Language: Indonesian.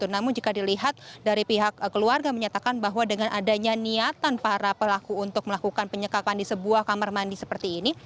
namun jika dilihat dari pihak keluarga menyatakan bahwa dengan adanya niatan para pelaku untuk melakukan penyekapan di sebuah kamar mandi seperti ini